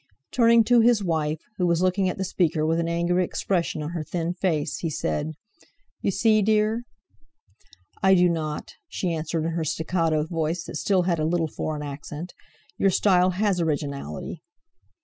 Turning to his wife, who was looking at the speaker with an angry expression on her thin face, he said: "You see, dear?" "I do not," she answered in her staccato voice, that still had a little foreign accent; "your style has originality."